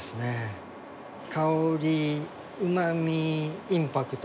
香りうまみインパクト。